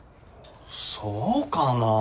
そうかなぁ？